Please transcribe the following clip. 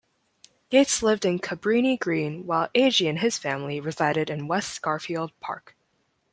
Gates lived in Cabrini-Green while Agee and his family resided in West Garfield Park.